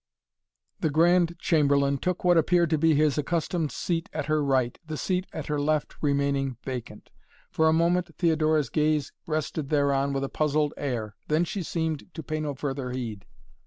The Grand Chamberlain took what appeared to be his accustomed seat at her right, the seat at her left remaining vacant. For a moment Theodora's gaze rested thereon with a puzzled air, then she seemed to pay no farther heed.